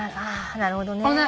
なるほどね。